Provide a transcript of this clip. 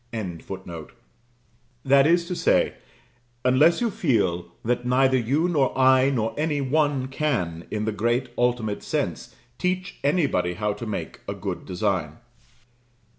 ] That is to say, unless you feel that neither you nor I, nor any one, can, in the great ultimate sense, teach anybody how to make a good design.